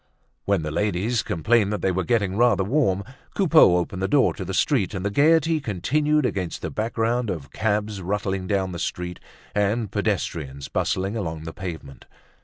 When the ladies complained that they were getting rather warm, Coupeau opened the door to the street and the gaiety continued against the background of cabs rattling down the street and pedestrians bustling along the pavement.